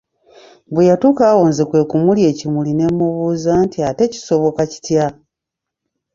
Bwe yatuuka awo nze kwe kumulya ekimuli ne mmubuuza nti ate kisoboka kitya?